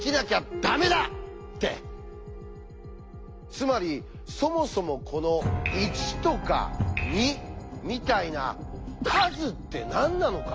つまりそもそもこの「１」とか「２」みたいな数って何なのか？